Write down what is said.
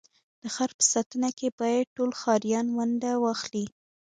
د ښار په ساتنه کي بايد ټول ښاریان ونډه واخلي.